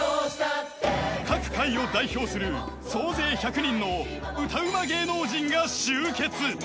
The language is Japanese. ［各界を代表する総勢１００人の歌うま芸能人が集結］